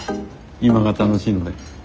今が楽しいので。